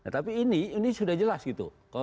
tapi ini sudah jelas gitu